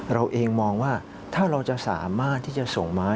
เราเองมองว่าถ้าเราจะสามารถที่จะส่งไม้